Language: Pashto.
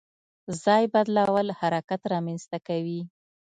ځای بدلول حرکت رامنځته کوي.